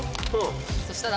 そしたら。